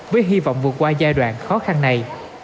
với hy vọng vượt qua giai đoạn khó khăn này